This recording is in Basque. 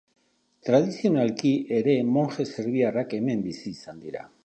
Tradizionalki ere monje serbiarrak hemen bizi izan dira.